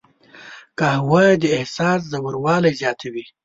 قهوه د احساس ژوروالی زیاتوي